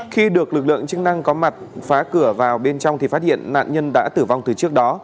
khi được lực lượng chức năng có mặt phá cửa vào bên trong thì phát hiện nạn nhân đã tử vong từ trước đó